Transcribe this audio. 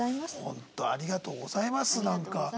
本当ありがとうございますなんか。